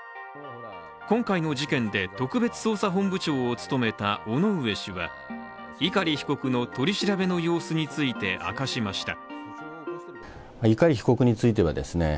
今回の事件で特別捜査本部長を務めた尾上氏は碇被告の取り調べの様子について明かしました。